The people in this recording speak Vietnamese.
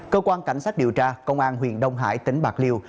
cơ quan cảnh sát điều tra công an huyện đông hải tỉnh bạc liêu